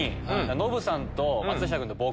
ノブさんと松下君と僕。